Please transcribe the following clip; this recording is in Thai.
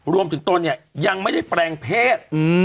รวมถึงตนเนี่ยยังไม่ได้แปลงเพศ